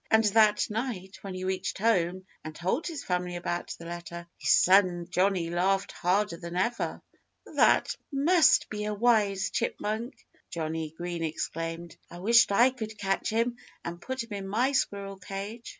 And that night, when he reached home and told his family about the letter, his son Johnnie laughed harder than ever. "That must be a wise chipmunk!" Johnnie Green exclaimed. "I wish I could catch him and put him in my squirrel cage."